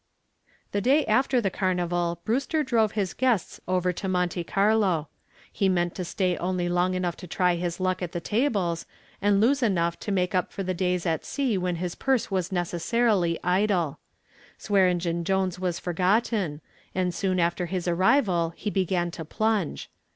The day after the carnival Brewster drove his guests over to Monte Carlo. He meant to stay only long enough to try his luck at the tables and lose enough to make up for the days at sea when his purse was necessarily idle. Swearengen Jones was forgotten, and soon after his arrival he began to plunge.